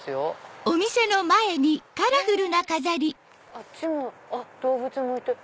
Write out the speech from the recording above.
あっちも動物もいて。